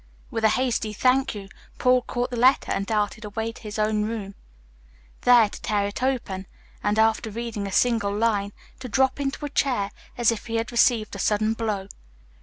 With a hasty "Thank you," Paul caught the letter and darted away to his own room, there to tear it open and, after reading a single line, to drop into a chair as if he had received a sudden blow.